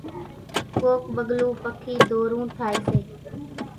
ڪَوڪَ ٻڳلون پکِي ڌورون ٿائيَ سي۔